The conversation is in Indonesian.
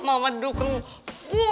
mama dukung football